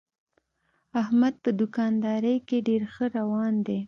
احمد په دوکاندارۍ کې ډېر ښه روان دی.